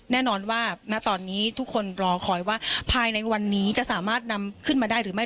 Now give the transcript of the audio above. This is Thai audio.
แน่นอนว่าณตอนนี้ทุกคนรอคอยว่าภายในวันนี้จะสามารถนำขึ้นมาได้หรือไม่